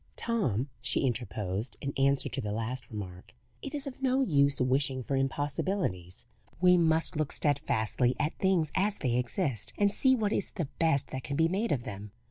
"Tom," she interposed, in answer to the last remark, "it is of no use wishing for impossibilities. We must look steadfastly at things as they exist, and see what is the best that can be made of them.